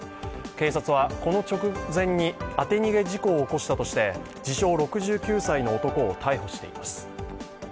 警察はこの直前に当て逃げ事故を起こしたとして自称６９歳の男を逮捕しています。